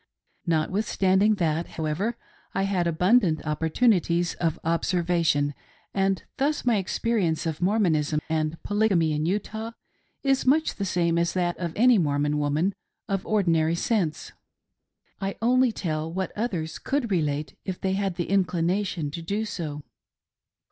Notwithstanding that, however, I had abundant opportunities of observation; and thus my experience of Mormonism and Polygamy in Utah is much the same as that of any Mormon woman of ordinary sense ; I only tell what others could relate if they had the inclination to do so.